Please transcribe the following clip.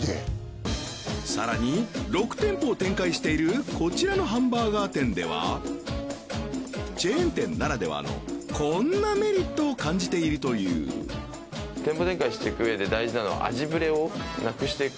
さらに６店舗を展開しているこちらのハンバーガー店ではチェーン店ならではのこんなメリットを感じているといううん